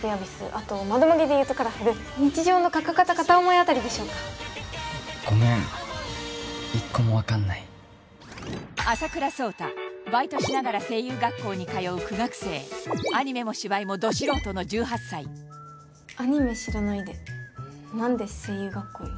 あと「まどマギ」でいうと「カラフル」「日常」の「カカカタ☆カタオモイ‐Ｃ」あたりでしょうかごめん一個も分かんないバイトしながら声優学校に通う苦学生アニメも芝居もド素人の１８歳アニメ知らないで何で声優学校に？